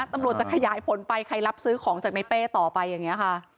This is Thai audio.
ตำรวจจะขยายผลไปใครรับซื้อของจากในเป้ต่อไปอย่างนี้ค่ะ